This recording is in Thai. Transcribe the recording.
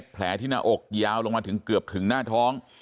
แผลที่หน้าอกยาวลงมาถึงเกือบถึงหน้าท้อง